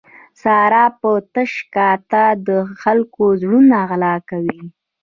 ساره په تش کاته د خلکو زړونه غلا کوي.